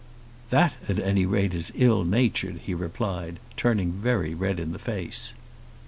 "That at any rate is ill natured," he replied, turning very red in the face.